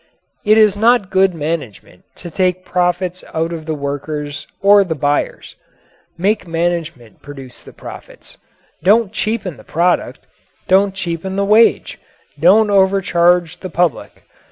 It is not good management to take profits out of the workers or the buyers; make management produce the profits. Don't cheapen the product; don't cheapen the wage; don't overcharge the public.